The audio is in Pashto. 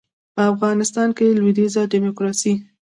په افغانستان کې لویدیځه ډیموکراسي